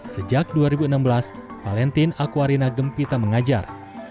sejak dua ribu enam belas valentine akwarina gempita mengajar